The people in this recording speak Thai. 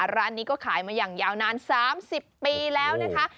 ร้านนี้ก็ขายมาอย่างยาวนาน๓๐ปีแล้วนะคะ